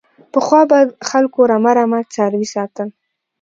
پخوا به خلکو رمه رمه څاروي ساتل.